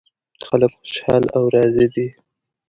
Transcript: خلک خوشحال او راضي دي